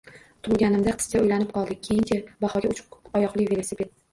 Tug'ilganimda. — Qizcha o'ylanib qoldi. — Keyin-chi, Bahoga uch oyoqli velosiped